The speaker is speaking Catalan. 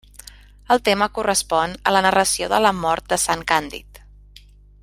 El tema correspon a la narració de la mort de sant Càndid.